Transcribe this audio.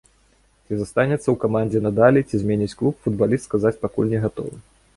Ці застанецца ў камандзе надалей, ці зменіць клуб, футбаліст сказаць пакуль не гатовы.